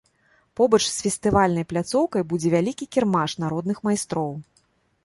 Побач з фестывальнай пляцоўкай будзе вялікі кірмаш народных майстроў.